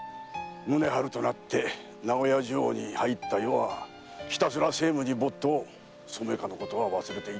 宗春となって名古屋城に入った余はひたすら政務に没頭染香のことは忘れていった。